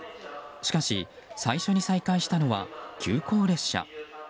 しかし、最初に再開したのは急行列車。